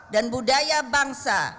dan budaya bangsa